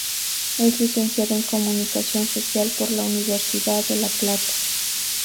Es Licenciado en Comunicación Social por la Universidad de La Plata.